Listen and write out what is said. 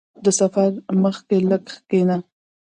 • د سفر مخکې لږ کښېنه.